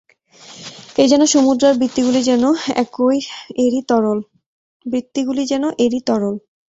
এ যেন সমুদ্র, আর বৃত্তিগুলি যেন এরই তরল।